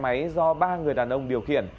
vụ tai nạn giao xe máy do ba người đàn ông điều khiển